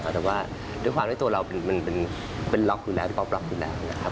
แต่ว่าด้วยความที่ตัวเรามันเป็นล็อกอยู่แล้วที่เขาปรับอยู่แล้วนะครับ